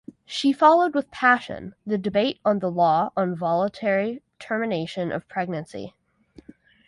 She followed with passion the debate on the law on voluntary termination of pregnancy.